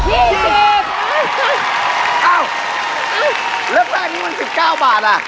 อ้าวเลือกแรกนี้มัน๑๙บาท